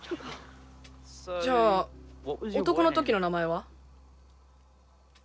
「じゃあ男のときの名前は？」。